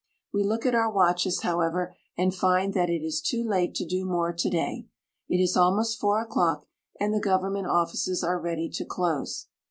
We look at our watches, however, and find that it is too late to do more to day. It is almost four o'clock, and the government offices are ready to close.